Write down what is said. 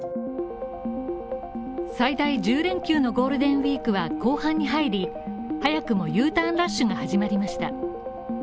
最大１０連休のゴールデンウィークは後半に入り、早くもＵターンラッシュが始まりました。